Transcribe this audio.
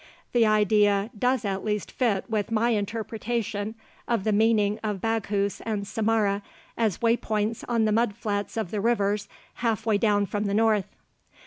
The idea does at least fit with my interpretation of the meaning of Baghouz and Samarra as way points on the mud flats of the rivers half way down from the north.